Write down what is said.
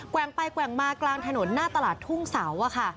แว่งไปแกว่งมากลางถนนหน้าตลาดทุ่งเสาอะค่ะ